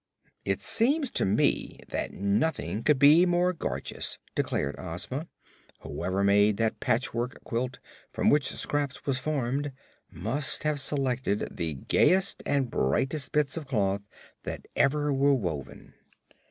"It seemed to me that nothing could be more gorgeous," declared Ozma. "Whoever made that patchwork quilt, from which Scraps was formed, must have selected the gayest and brightest bits of cloth that ever were woven."